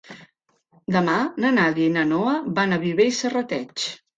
Demà na Nàdia i na Noa van a Viver i Serrateix.